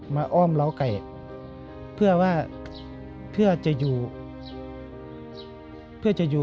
มาอ้อมเหล้าไก่เพื่อว่าเพื่อจะอยู่